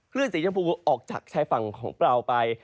คลื่นสีชมพูออกจากชายฝั่งของเปล่าไป